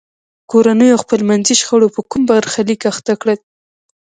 کورنیو خپلمنځي شخړو په کوم برخلیک اخته کړل.